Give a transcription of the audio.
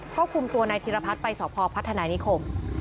พ่อภูมิตัวนายธิรพัฒน์ไปศพพัฒนานิคม